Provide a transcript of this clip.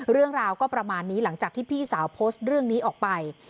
เรื่องราวก็ประมาณนี้หลังจากที่พี่สาวโพสต์เรื่องนี้ออกไป